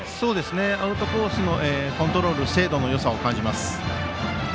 アウトコースのコントロール、精度のよさを感じますね。